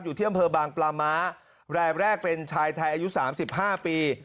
อยู่ที่อำเภอบางปลาม้ารายแรกเป็นชายไทยอายุ๓๕ปี